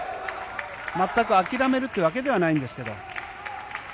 全く諦めるというわけではないんですけど。